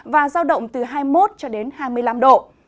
và giao động từ hai mươi một hai mươi năm độ